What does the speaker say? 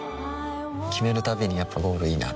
決めるたびにやっぱゴールいいなってふん